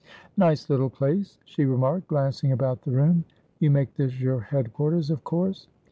"Nice little place," she remarked, glancing about the room. "You make this your head quarters, of course?"